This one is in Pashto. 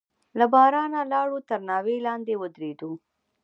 له بارانه لاړو، تر ناوې لاندې ودرېدو.